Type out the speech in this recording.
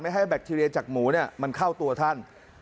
ให้แบคทีเรียจากหมูมันเข้าตัวท่าน